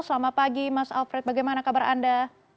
selamat pagi mas alfred bagaimana kabar anda